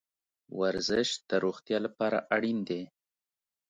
ورزش د روغتیا لپاره اړین ده